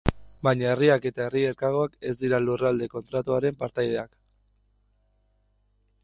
Baina herriak eta herri elkargoak ez dira Lurralde Kontratuaren partaideak.